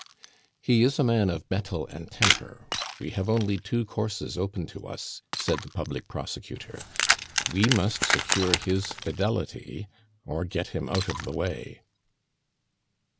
"He is a man of mettle and temper. We have only two courses open to us," said the public prosecutor. "We must secure his fidelity, or get him out of the way."